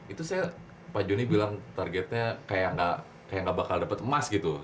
itu saya pak joni bilang targetnya kayak gak bakal dapet emas gitu